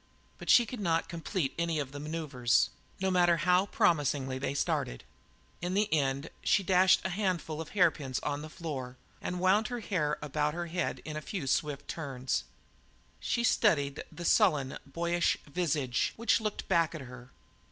But she could not complete any of the manoeuvres, no matter how promisingly they started. In the end she dashed a handful of hairpins on the floor and wound the hair about her head with a few swift turns. She studied the sullen, boyish visage which looked back at her.